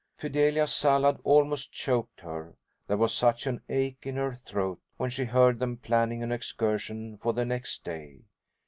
Fidelia's salad almost choked her, there was such an ache in her throat when she heard them planning an excursion for the next day.